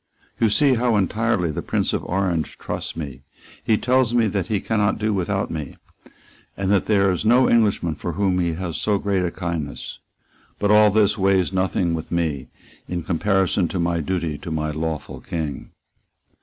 "You see how entirely the Prince of Orange trusts me. He tells me that he cannot do without me, and that there is no Englishman for whom he has so great a kindness; but all this weighs nothing with me in comparison of my duty to my lawful King."